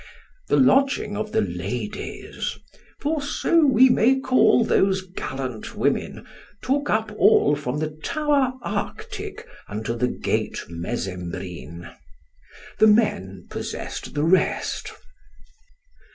The lodging of the ladies, for so we may call those gallant women, took up all from the tower Arctic unto the gate Mesembrine. The men possessed the rest.